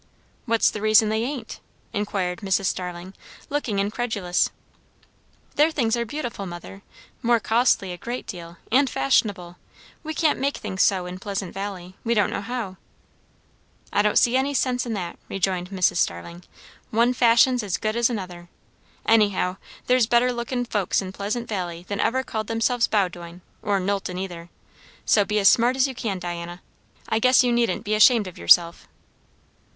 "What's the reason they ain't?" inquired Mrs. Starling, looking incredulous. "Their things are beautiful, mother; more costly a great deal; and fashionable. We can't make things so in Pleasant Valley. We don't know how." "I don't see any sense in that," rejoined Mrs. Starling. "One fashion's as good as another. Anyhow, there's better lookin' folks in Pleasant Valley than ever called themselves Bowdoin, or Knowlton either. So be as smart as you can, Diana. I guess you needn't be ashamed of yourself."